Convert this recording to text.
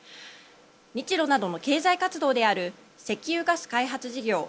日ロなどの経済活動である石油ガス開発事業